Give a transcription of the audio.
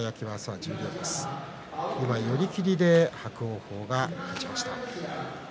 寄り切りで伯桜鵬が勝ちました。